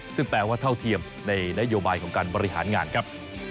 ซึ่งแปลว่าเท่าเทียมในนโยบายของการบริหารงานครับ